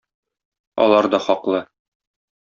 Алар да хаклы.